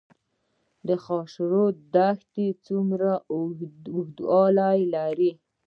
خاشرود دښتې څومره اوږدوالی لري؟